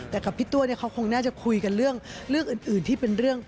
แต่กับพี่ตัวเนี่ยเขาคงน่าจะคุยกันเรื่องอื่นที่เป็นเรื่อง